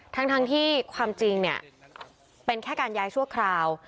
ทั้งที่ความจริงเนี่ยเป็นแค่การย้ายชั่วคราว